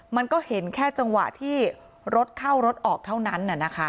มันก็เห็นแค่จังหวะที่รถเข้ารถออกเท่านั้น